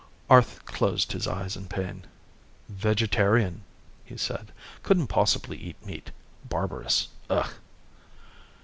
Arth closed his eyes in pain. "Vegetarian," he said. "Couldn't possibly eat meat. Barbarous. Ugh."